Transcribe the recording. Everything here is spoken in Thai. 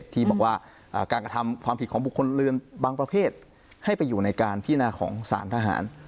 ที่บอกว่าการกระทำความผิดของบุคคลเรือนบางประเภทให้ไปอยู่ในการพินาของสารทหาร